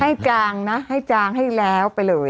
จางนะให้จางให้แล้วไปเลย